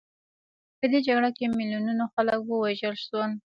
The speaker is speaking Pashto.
په دې جګړه کې میلیونونو خلک ووژل شول.